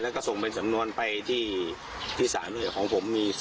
แล้วก็ส่งเป็นสำนวนไปที่ศาลด้วยของผมมี